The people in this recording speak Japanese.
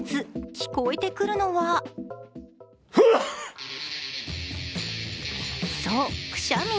聞こえてくるのはそう、くしゃみ。